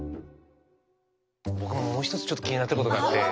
僕ももう一つちょっと気になってることがあって。